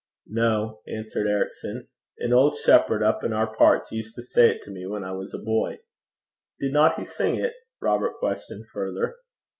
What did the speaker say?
'No,' answered Ericson. 'An old shepherd up in our parts used to say it to me when I was a boy.' 'Didna he sing 't?' Robert questioned further.